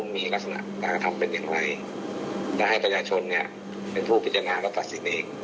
มีลักษณะการกระทำเป็นอย่างไรและให้ประชาชนเนี่ยเป็นผู้พิจารณาและตัดสินเอง